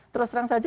terus terang saja